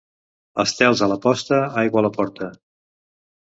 Estels a la posta, aigua a la porta.